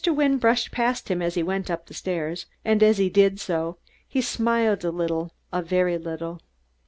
Wynne brushed past him as he went up the stairs, and as he did so he smiled a little a very little.